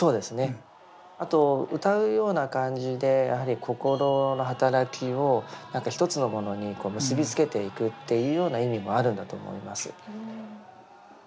あと歌うような感じで心の働きを一つのものに結び付けていくっていうような意味もあるんだと思います。